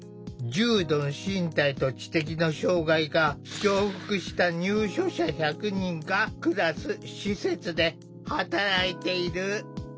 重度の身体と知的の障害が重複した入所者１００人が暮らす施設で働いている。